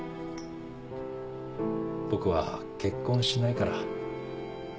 僕は結婚しないから。